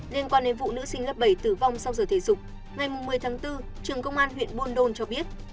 liên quan đến vụ nữ sinh lớp bảy tử vong sau giờ thể dục ngày một mươi tháng bốn trường công an huyện buôn đôn cho biết